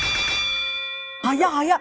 早っ早っ。